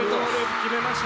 決めました。